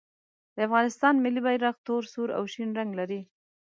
د افغانستان ملي بیرغ تور، سور او شین رنګ لري.